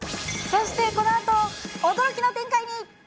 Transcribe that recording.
そしてこのあと、驚きの展開に。